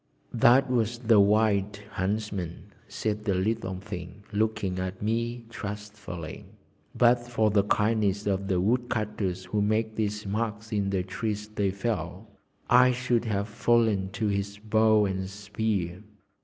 "That was the Wild Huntsman," said the little thing, looking at me trustfully. "But for the kindness of the woodcutters who make these marks in the trees they fell, I should have fallen to his bow and spear.